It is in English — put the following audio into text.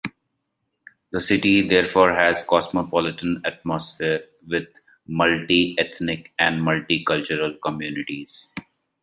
The city therefore has cosmopolitan atmosphere with multiethnic and multicultural communities.